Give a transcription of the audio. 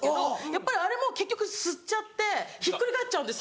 やっぱりあれも結局吸っちゃってひっくり返っちゃうんですよ。